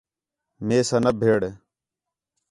میسا نہ بِھڑ